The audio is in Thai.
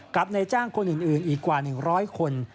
ในจ้างคนอื่นอีกกว่า๑๐๐คน